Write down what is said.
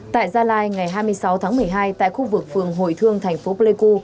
tại gia lai ngày hai mươi sáu tháng một mươi hai tại khu vực phường hồi thương thành phố pleiku